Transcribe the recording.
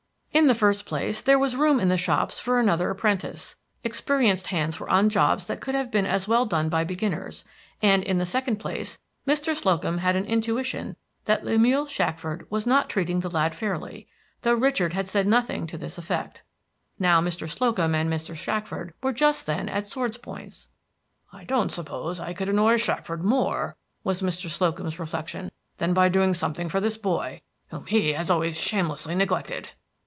In the first place, there was room in the shops for another apprentice; experienced hands were on jobs that could have been as well done by beginners; and, in the second place, Mr. Slocum had an intuition that Lemuel Shackford was not treating the lad fairly, though Richard had said nothing to this effect. Now, Mr. Slocum and Mr. Shackford were just then at swords' points. "I don't suppose I could annoy Shackford more," was Mr. Slocum's reflection, "than by doing something for this boy, whom he has always shamelessly neglected."